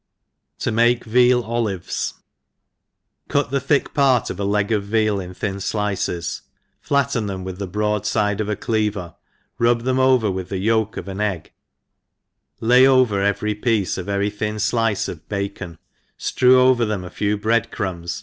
To make Veal Olives. CUT the thick part of a leg of veal in thin llices, flatten them with the broad fide of a cl&ver^ rob them over with the yolk of an rgg^ ftrew ENGLISH HOUSE KEEPER: 95 ftrcw over every piece a very thin flice of bacon^ ftrew over them a few bread crumbs